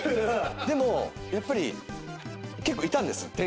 でもやっぱり結構いたんです。